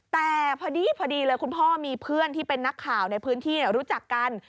แต่พอดีเลยคุณพ่อมีเพื่อนที่เป็นนักข่าวในพื้นที่รู้จักกัน